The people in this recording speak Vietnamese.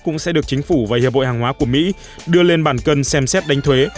cũng sẽ được chính phủ và hiệp hội hàng hóa của mỹ đưa lên bản cân xem xét đánh thuế